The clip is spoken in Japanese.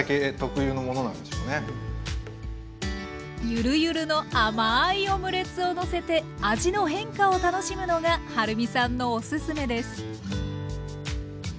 ゆるゆるの甘いオムレツをのせて味の変化を楽しむのがはるみさんのおすすめです。